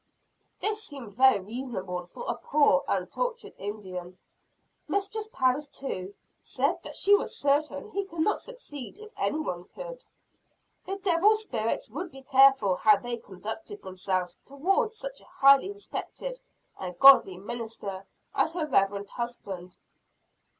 This seemed very reasonable for a poor, untutored Indian. Mistress Parris, too, said that she was certain he could succeed if any one could. The evil spirits would be careful how they conducted themselves towards such a highly respected and godly minister as her revered husband.